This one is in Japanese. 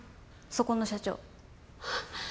そこの社長。